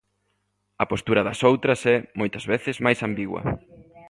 A postura das outras é, moitas veces, máis ambigua.